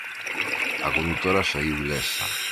A condutora saíu ilesa.